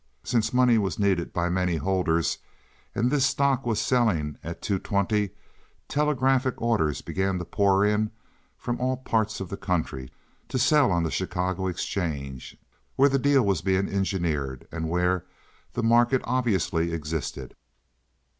Since money was needed by many holders, and this stock was selling at two twenty, telegraphic orders began to pour in from all parts of the country to sell on the Chicago Exchange, where the deal was being engineered and where the market obviously existed.